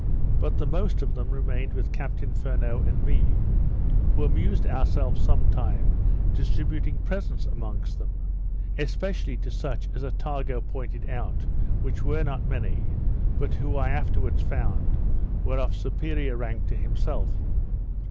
But the most of them remained with Captain Furneaux and me, who amused ourselves some time distributing presents amongst them; especially to such as Attago pointed out, which were not many, but who I afterwards found, were of superior rank to himself.